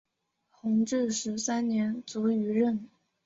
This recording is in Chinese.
弘治十三年卒于任。